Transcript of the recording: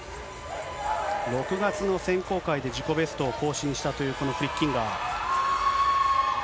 ６月の選考会で自己ベストを更新したというこのフリッキンガー。